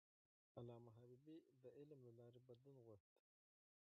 علامه حبيبي د علم له لارې بدلون غوښت.